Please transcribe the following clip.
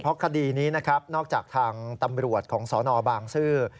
เพราะคดีนี้นะครับนอกจากทางตำรวจของสนบางซื่อ